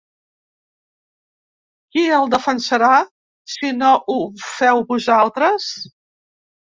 Qui el defensarà si no ho feu vosaltres?